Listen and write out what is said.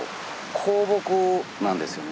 香木なんですよね。